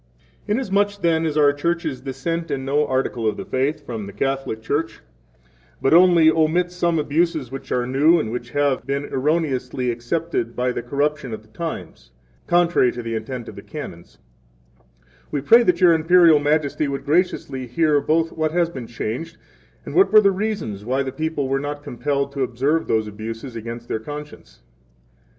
10 Inasmuch, then, as our churches dissent in no article of the faith from the Church Catholic, but only omit some abuses which are new, and which have been erroneously accepted by the corruption of the times, contrary to the intent of the Canons, we pray that Your Imperial Majesty would graciously hear both what has been changed, and what were the reasons why the people were not compelled to observe those abuses against their conscience.